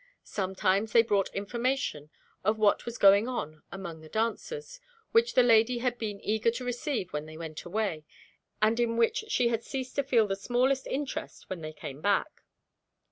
Sometimes they brought information of what was going on among the dancers, which the lady had been eager to receive when they went away, and in which she had ceased to feel the smallest interest when they came back.